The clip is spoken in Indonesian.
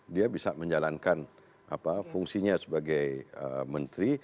dia bisa menjalankan fungsinya sebagai menteri